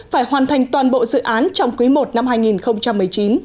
phải hoàn thành toàn bộ dự án trong quý i năm hai nghìn một mươi chín